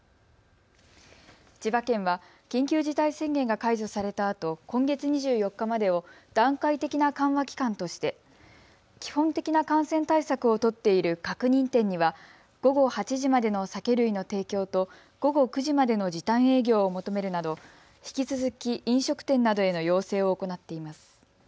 千葉県は緊急事態宣言が解除されたあと今月２４日までを段階的な緩和期間として基本的な感染対策を取っている確認店には午後８時までの酒類の提供と午後９時までの時短営業を求めるなど引き続き飲食店などへの要請を行っています。